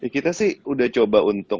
kita sih udah coba untuk